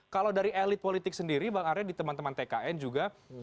kalau dari elit politik sendiri bang arya di teman teman tkn juga